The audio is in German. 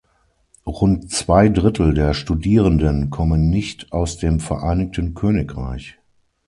Rund zwei Drittel der Studierenden kommen nicht aus dem Vereinigten Königreich.